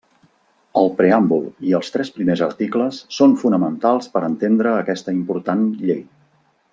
El preàmbul i els tres primers articles són fonamentals per entendre aquesta important llei.